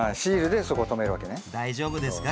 大丈夫ですか？